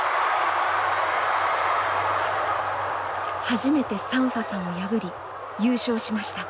初めてサンファさんを破り優勝しました。